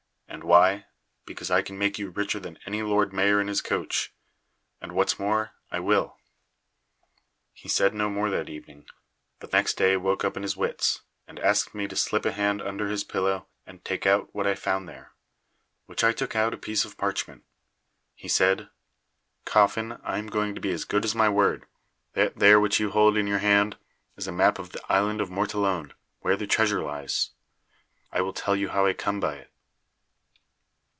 And why? Because I can make you richer than any Lord Mayor in his coach; and, what's more, I will." He said no more that evening, but next day woke up in his wits, and asked me to slip a hand under his pillow and take out what I found there. Which I took out a piece of parchment. He said: "Coffin, I am going to be as good as my word. That there which you hold in your hand is a map of the Island of Mortallone, where the treasure lies. I will tell you how I come by it.